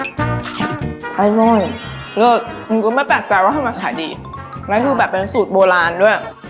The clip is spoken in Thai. ได้เลยเลิกอืมก็ไม่แปลกแปลว่าทำไมสายดีนั่นคือแบบเป็นสูตรโบราณด้วย